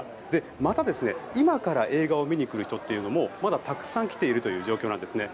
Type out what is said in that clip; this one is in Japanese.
また、今から映画を見に来るっていう人もまだたくさん来ている状況なんですね。